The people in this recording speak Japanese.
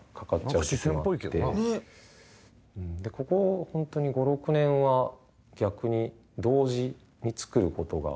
ここ本当に５６年は逆に同時に作る事が。